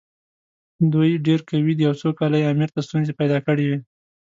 دوی ډېر قوي دي او څو کاله یې امیر ته ستونزې پیدا کړې وې.